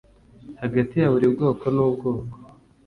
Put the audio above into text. hagati ya buri bwoko n'ubwoko,